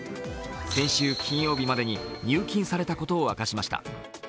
先週金曜日までに入金されたことを明かしました。